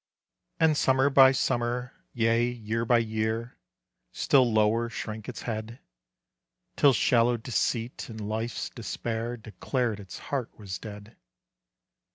And summer by summer, yea, year by year, Still lower shrank its head, Till shallow deceit and life's despair Declared its heart was dead.